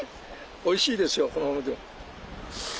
おいしいですよこのままでも。